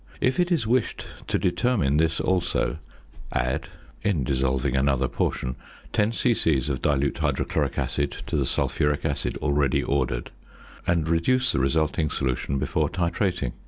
If it is wished to determine this also, add (in dissolving another portion) 10 c.c. of dilute hydrochloric acid to the sulphuric acid already ordered, and reduce the resulting solution before titrating.